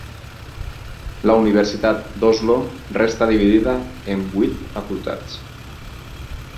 La universitat d'Oslo resta dividida en vuit facultats.